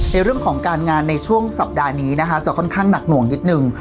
ในเรื่องของการงานในช่วงสัปดาห์นี้นะคะจะค่อนข้างหนักหน่วงนิดนึง